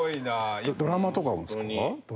ドラマとかもですか？